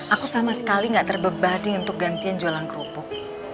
aku sama sekali gak terbebani untuk gantian jualan kerupuk